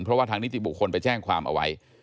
เพราะว่าทางนิติบุคคลไปแจ้งความเอาไว้